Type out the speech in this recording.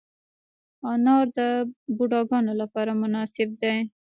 انار د بوډاګانو لپاره مناسب دی.